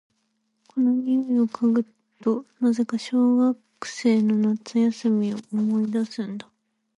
この匂いを嗅ぐと、なぜか小学生の夏休みを思い出すんだ。